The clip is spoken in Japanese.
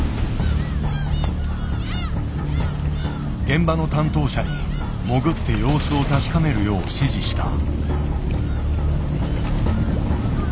現場の担当者に潜って様子を確かめるよう指示した。